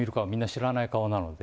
知らない顔なので。